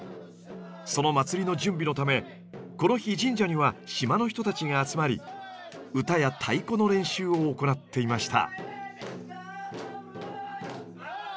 その祭りの準備のためこの日神社には島の人たちが集まり唄や太鼓の練習を行っていました。